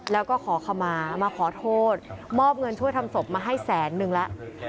แล้วก็ขอขมามาขอโทษมอบเงินช่วยทำศพมาให้แสนนึงแล้ว